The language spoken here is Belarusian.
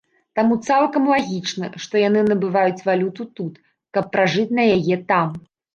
Таму цалкам лагічна, што яны набываюць валюту тут, каб пражыць на яе там.